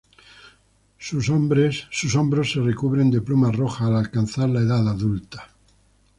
Sus hombros se recubren de plumas rojas al alcanzar la edad adulta.